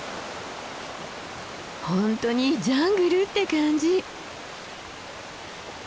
本当にジャングルって感じ。